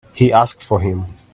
He asked for him.